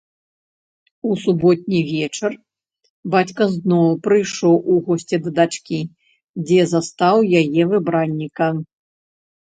У суботні вечар бацька зноў прыйшоў у госці да дачкі, дзе застаў яе выбранніка.